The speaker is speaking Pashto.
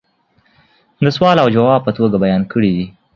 دسوال او جواب په توگه بیان کړي دي